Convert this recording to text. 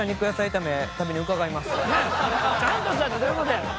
ちゃんとしたってどういう事やねん！